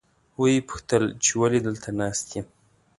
ویې پوښتل چې ولې دلته ناست یم.